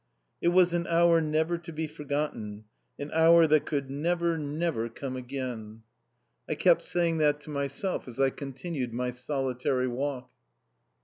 It was an hour never to be forgotten, an hour that could never, never come again. I kept saying that to myself as I continued my solitary walk.